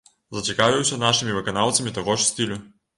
Зацікавіўся нашымі выканаўцамі таго ж стылю.